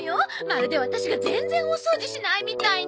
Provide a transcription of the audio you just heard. まるでワタシが全然お掃除しないみたいに。